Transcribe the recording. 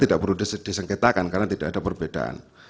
tidak perlu disengketakan karena tidak ada perbedaan